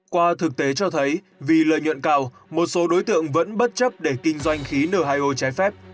qua thực tế cho thấy vì lợi nhuận cao một số đối tượng vẫn bất chấp để kinh doanh khí n hai o trái phép